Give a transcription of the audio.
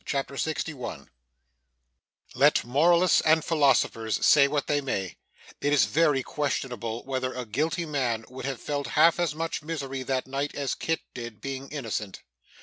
CHAPTER 61 Let moralists and philosophers say what they may, it is very questionable whether a guilty man would have felt half as much misery that night, as Kit did, being innocent.